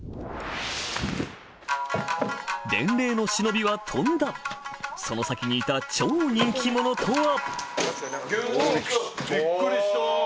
伝令の忍びは飛んだその先にいた超人気者とは？